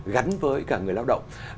gắn với cả người lao động